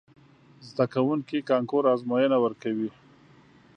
زده کوونکي کانکور ازموینه ورکوي.